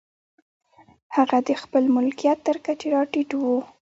هغه د خپل ملکیت تر کچې را ټیټوو.